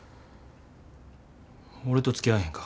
俺とつきあわへんか。